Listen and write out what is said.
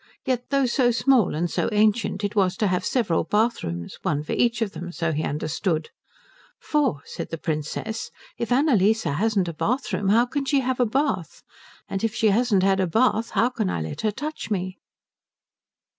Yet though so small and so ancient it was to have several bathrooms one for each of them, so he understood; "For," said the Princess, "if Annalise hasn't a bathroom how can she have a bath? And if she hasn't had a bath how can I let her touch me?"